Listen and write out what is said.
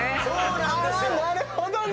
あなるほどね！